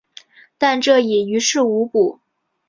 但这已于事无补。